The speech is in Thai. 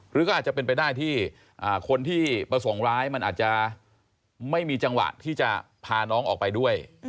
หรือก็อาจจะเป็นไปได้ที่คนที่ประสงค์ร้ายมันอาจจะไม่มีจังหวะที่จะพาน้องออกไปด้วย